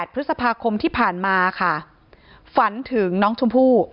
พฤษภาคมที่ผ่านมาค่ะฝันถึงน้องชมพู่